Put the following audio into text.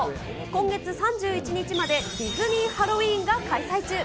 今月３１日まで、ディズニー・ハロウィーンが開催中。